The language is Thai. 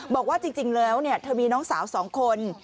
บอกว่าจริงแล้วเธอมีน้องสาว๒คน